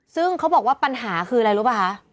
ซึ่งเขาบอกว่าปัญหาคืออะไรรู้ป่ะคะ